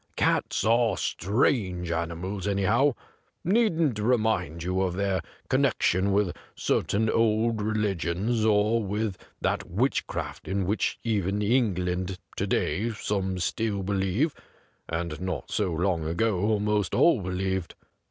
Cats are strange animals, anyhow, needn't remind you of their con nection with certain old religions 191 THE GRAY CAT or with that witchcraft in which even in England to day some still believe, and not so long ago almost all believed.